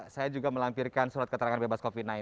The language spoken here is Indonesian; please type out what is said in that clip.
saya juga melampirkan surat keterangan bebas covid sembilan belas